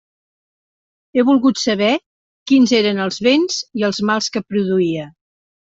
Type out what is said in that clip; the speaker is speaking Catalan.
He volgut saber quins eren els béns i els mals que produïa.